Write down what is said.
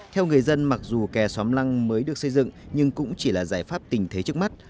theo người dân mặc dù kè xóm lăng mới được xây dựng nhưng cũng chỉ là giải pháp tình thế trước mắt